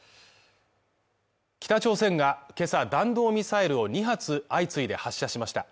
北朝鮮が今朝弾道ミサイルを２発、相次いで発射しました。